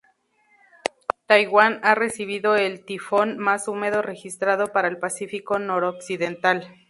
Taiwán ha recibido el tifón más húmedo registrado para el Pacifico noroccidental.